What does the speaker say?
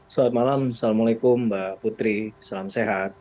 selamat malam assalamualaikum mbak putri salam sehat